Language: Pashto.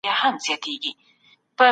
لويه جرګه د هيواد تلپاتي ثبات تضمينوي.